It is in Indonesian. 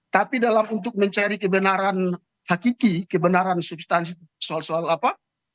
tapi dalam untuk mencari kebenaran hakiki kebenaran substansi soal soal apa